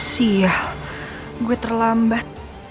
sial gue terlambat